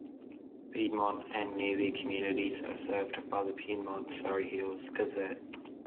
Piedmont and nearby communities are served by the "Piedmont-Surrey Hills Gazette".